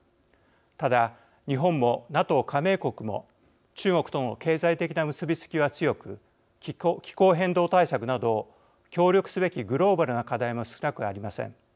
ただ日本もＮＡＴＯ加盟国も中国との経済的な結び付きは強く気候変動対策など協力すべきグローバルな課題も少なくありません。